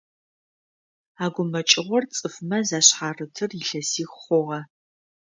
А гумэкӏыгъор цӏыфмэ зашъхьарытыр илъэсих хъугъэ.